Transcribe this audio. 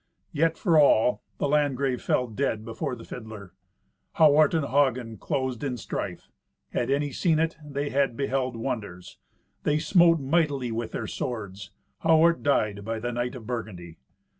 Yet, for all, the Landgrave fell dead before the fiddler. Hawart and Hagen closed in strife. Had any seen it, they had beheld wonders. They smote mightily with their swords. Hawart died by the knight of Burgundy.